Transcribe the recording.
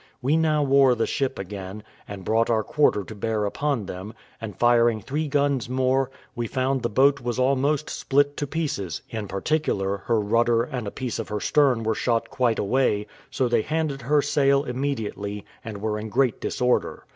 We now wore the ship again, and brought our quarter to bear upon them, and firing three guns more, we found the boat was almost split to pieces; in particular, her rudder and a piece of her stern were shot quite away; so they handed her sail immediately, and were in great disorder.